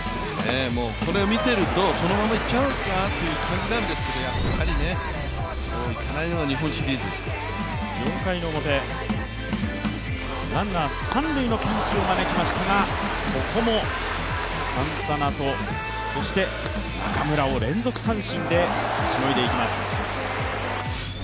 これを見ていると、そのままいっちゃうなという感じだったんですがやっぱりそういかないのが日本シリーズ。４回の表、ランナー三塁のピンチまできましたが、ここもサンタナと、そして中村を連続三振でしのいでいきます。